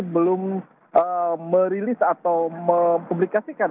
belum merilis atau mempublikasikan